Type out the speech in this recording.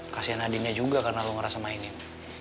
kasian adinnya juga karena lo ngerasa mainin